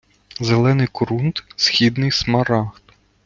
Зелений корунд – східний смарагд